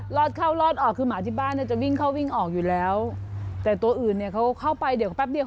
เราเรออสเข้าและออสออด